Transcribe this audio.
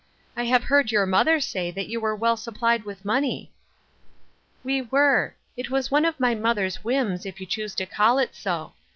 " I have heard your mother say that you were well supplied with money." " We were. It was one of my mother's whims, if you choose to call it so.